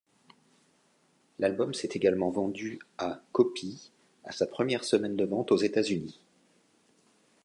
L'album s'est également vendu à copies à sa première semaine de vente aux États-Unis.